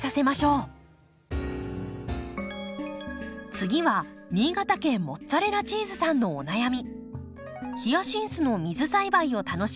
次は新潟県モッツァレラチーズさんのお悩み。